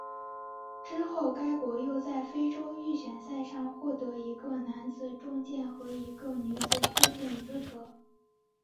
之后该国又在非洲预选赛上获得一个男子重剑和一个女子佩剑资格。